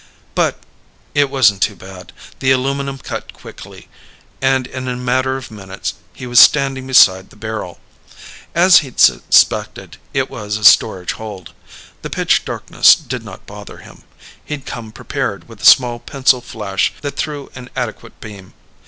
But it wasn't too bad. The aluminum cut quickly, and in a matter of minutes he was standing beside his barrel. As he'd suspected, it was a storage hold. The pitch darkness did not bother him. He'd come prepared with a small pencil flash that threw an adequate beam.